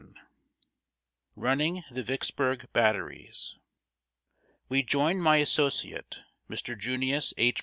[Sidenote: RUNNING THE VICKSBURG BATTERIES.] We joined my associate, Mr. Junius H.